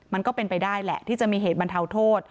มันก็เป็นไปได้แหละที่จะมีเหตุบรรเทาโทษ